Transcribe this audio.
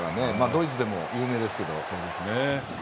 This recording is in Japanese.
ドイツでも有名ですけど。